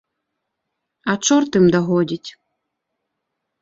А чорт ім дагодзіць.